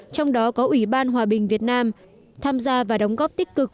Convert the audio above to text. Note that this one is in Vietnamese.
trong đó có ủy ban hòa bình việt nam tham gia và đóng góp tích cực